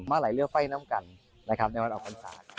มะหลายเรือไฟน้ำกันนะครับในวันออกฟันศา